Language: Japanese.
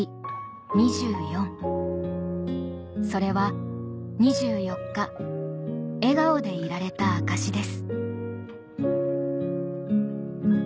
「２４」それは２４日笑顔でいられた証しです